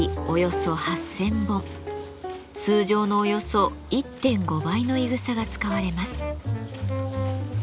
通常のおよそ１．５倍のいぐさが使われます。